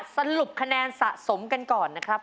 สรุปคะแนนสะสมกันก่อนนะครับ